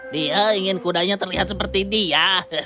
dia ingin kudanya terlihat seperti dia